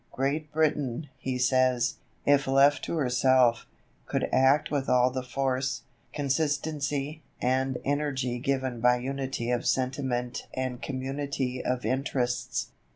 "Great Britain," he says, "if left to herself, could act with all the force, consistency, and energy given by unity of sentiment and community of interests.